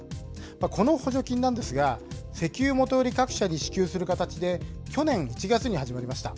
この補助金なんですが、石油元売り各社に支給する形で、去年１月に始まりました。